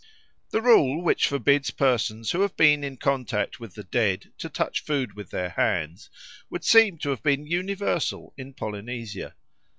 The rule which forbids persons who have been in contact with the dead to touch food with their hands would seem to have been universal in Polynesia.